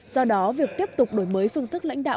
do đó việc tiếp tục đổi mới phương thức lãnh đạo